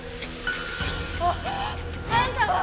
あ⁉あんたは！